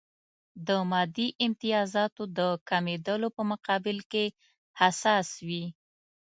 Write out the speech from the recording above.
د مادي امتیازاتو د کمېدلو په مقابل کې حساس وي.